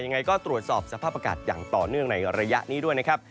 ยังไงก็ตรวจสอบสภาพอากาศอย่างต่อเนื่องในระยะนี้ด้วยนะครับ